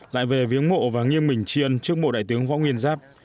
lại về viếng mộ và nghiêng mình chiên trước bộ đại tướng võ nguyên giáp